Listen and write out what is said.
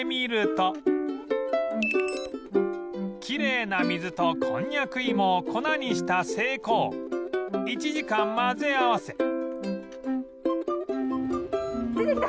きれいな水とこんにゃく芋を粉にした精粉を１時間混ぜ合わせ